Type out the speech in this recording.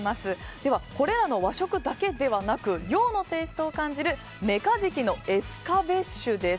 では、これらの和食だけではなく洋のテイストを感じるメカジキのエスカベッシュです。